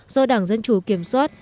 do đảng dân chủ kiểm soát